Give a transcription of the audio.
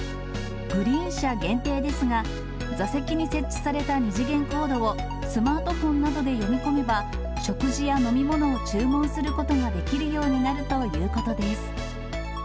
グリーン車限定ですが、座席に設置された２次元コードを、スマートフォンなどで読み込めば、食事や飲み物を注文することができるようになるということです。